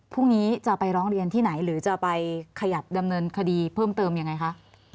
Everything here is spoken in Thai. พรุ่งนี้จะไปร้องเรียนที่ไหนหรือจะไปขยับดำเนินคดีเพิ่มเติมยังไงคะ